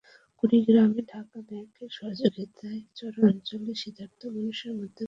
কুড়িগ্রামে ঢাকা ব্যাংকের সহযোগিতায় চরাঞ্চলের শীতার্ত মানুষের মধ্যে কম্বল বিতরণ করা হয়।